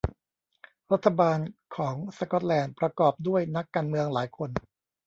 รัฐบาลของสกอตแลนด์ประกอบด้วยนักการเมืองหลายคน